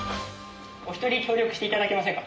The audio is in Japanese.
お一人協力して頂けませんか？